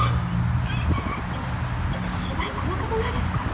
芝居細かくないですか？